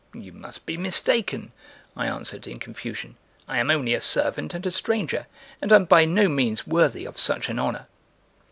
"You must be mistaken," I answered, in confusion, "I am only a servant and a stranger, and am by no means worthy of such an honor.")